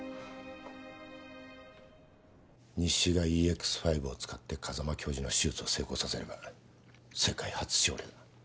西がＥＸ‐５を使って風間教授の手術を成功させれば世界初症例だ。